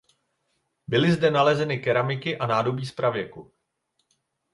Byly zde nalezeny keramiky a nádobí z pravěku.